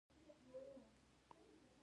د مچۍ د چیچلو لپاره کوم ضماد وکاروم؟